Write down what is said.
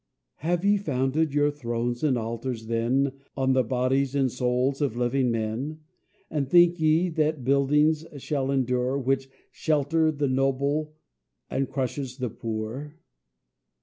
"Have ye founded your thrones and altars, then, On the bodies and souls of living men? And think ye that building shall endure, Which shelters the noble and crushes the poor?